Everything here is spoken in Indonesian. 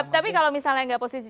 tapi kalau misalnya nggak posisi